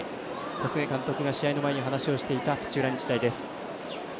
小菅監督が試合の前に話をしていた土浦日大です。